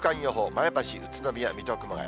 前橋、宇都宮、水戸、熊谷。